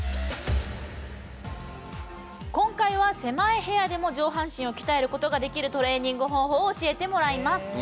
今回は狭い部屋でも上半身を鍛えることができるトレーニング方法を教えてもらいます。